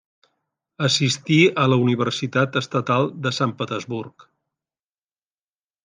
Assistí a la Universitat Estatal de Sant Petersburg.